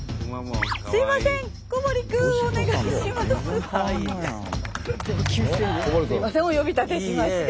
すいませんすいませんお呼び立てしまして。